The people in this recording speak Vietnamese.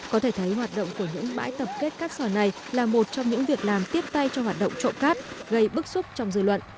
có thể thấy hoạt động của những bãi tập kết cát sỏi này là một trong những việc làm tiếp tay cho hoạt động trộm cát gây bức xúc trong dư luận